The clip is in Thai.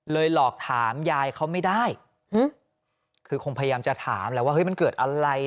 หลอกถามยายเขาไม่ได้คือคงพยายามจะถามแล้วว่าเฮ้ยมันเกิดอะไร